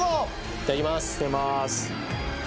いただきます。